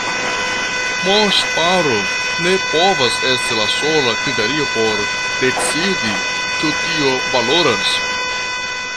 Monŝparo ne povas esti la sola kriterio por decidi, ĉu tio valoras.